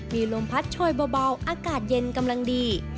มีลมพัดโชยเบาอากาศเย็นกำลังดี